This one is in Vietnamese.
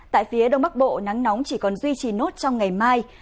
tại phía đông bắc bộ nắng nóng chỉ còn duy trì nốt trong ngày mai